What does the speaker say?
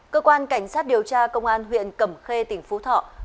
cơ quan cảnh sát điều tra công an huyện cẩm khê tỉnh phú thọ vừa khởi tố vụ án